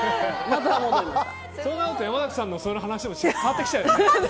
そうなると山崎さんの話も変わってきちゃうよね。